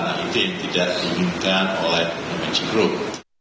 nah itu yang tidak diinginkan oleh emerging group